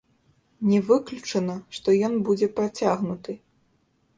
Не выключана, што ён будзе працягнуты.